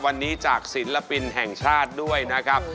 วันนี้จากศิลปินแห่งชาติด้วยนะครับ